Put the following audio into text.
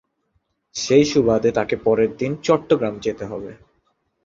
সেই সুবাদে তাকে পরেরদিন চট্টগ্রাম যেতে হবে।